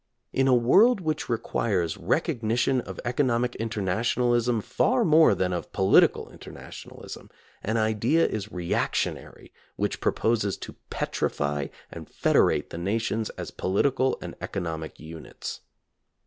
In a world which requires recognition of economic internationalism far more than of political internationalism, an idea is re actionary which proposes to petrify and federate the nations as political and economic units.